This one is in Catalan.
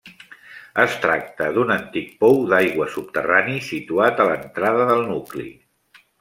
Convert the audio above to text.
Es tracta d'un antic pou d'aigua subterrani situat a l'entrada del nucli.